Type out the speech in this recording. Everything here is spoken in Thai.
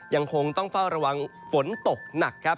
ยังคงต้องเฝ้าระวังฝนตกหนักครับ